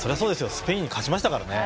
スペインに勝ちましたからね。